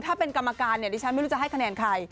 ถ้าเป็นกรรมการเนี่ยดิฉันไม่รู้จะให้คะแนนใคร